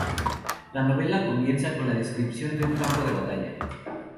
La novela comienza con la descripción de un campo de batalla.